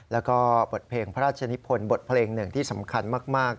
แล้วก็บทเพลงพระราชนิพลบทเพลงหนึ่งที่สำคัญมาก